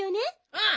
うん！